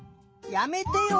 やめてよ！